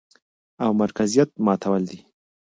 او مرکزيت ماتول دي،